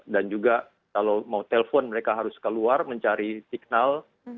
dan juga kalau mau telpon mereka harus keluar mencari signal